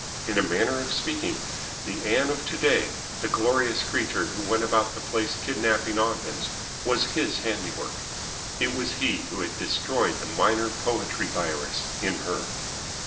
In a manner of speaking the Ann of to day, the glorious creature who went about the place kidnapping Ogdens, was his handiwork. It was he who had destroyed the minor poetry virus in her.